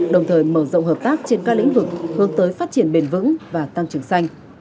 đồng thời mở rộng hợp tác trên các lĩnh vực hướng tới phát triển bền vững và tăng trưởng xanh